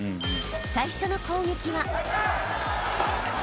［最初の攻撃は］